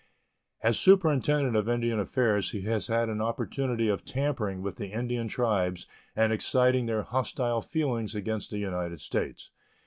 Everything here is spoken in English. As superintendent of Indian affairs he has had an opportunity of tampering with the Indian tribes and exciting their hostile feelings against the United States.